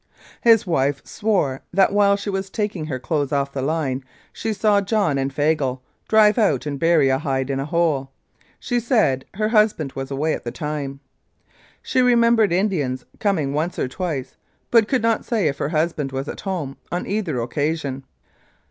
His wife swore that while she was taking her clothes off the line she saw John and Fagle drive out and bury a hide in a hole ; she said her husband was away at the time. She remembered Indians coming once or twice, but could not say if her husband was at home on either occasion.